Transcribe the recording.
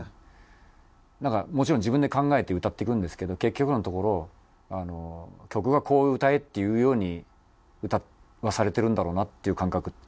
もちろん自分で考えて歌っていくんですけど結局のところあの曲がこう歌えっていうように歌わされてるんだろうなっていう感覚ちょっとあって。